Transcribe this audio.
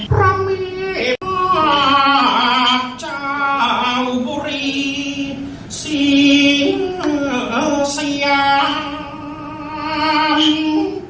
พระเมตต์มากเจ้าบุรีสิงห์สยาม